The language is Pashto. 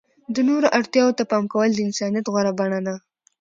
د نورو اړتیاوو ته پام کول د انسانیت غوره بڼه ده.